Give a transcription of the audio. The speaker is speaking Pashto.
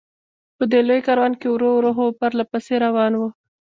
په دې لوی کاروان کې ورو ورو، خو پرله پسې روان و.